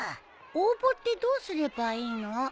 応募ってどうすればいいの？